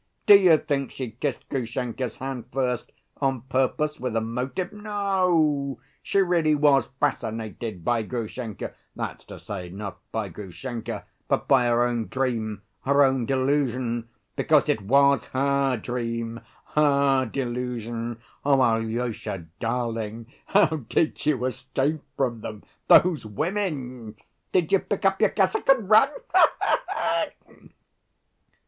Do you think she kissed Grushenka's hand first, on purpose, with a motive? No, she really was fascinated by Grushenka, that's to say, not by Grushenka, but by her own dream, her own delusion—because it was her dream, her delusion! Alyosha, darling, how did you escape from them, those women? Did you pick up your cassock and run? Ha ha ha!"